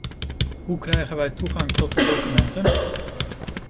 Hoe krijgen wij toegang tot de documenten?